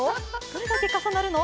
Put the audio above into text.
どれだけ重なるの？